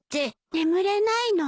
眠れないの？